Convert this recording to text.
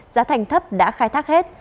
giá thành thấp đã khai thác hết